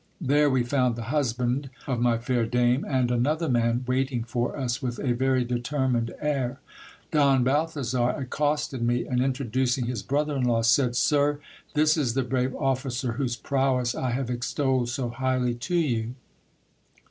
There we found the husband of my fair dame and another man, waiting for us with a very determined air. Don Balthazar ac costed me, and introducing his brother in law, said : Sir, this is the brave officer whose prowess I have extolled so highly to you.